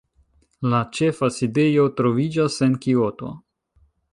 La ĉefa sidejo troviĝas en Kioto.